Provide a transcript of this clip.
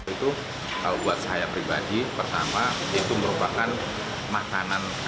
itu kalau buat saya pribadi pertama itu merupakan makanan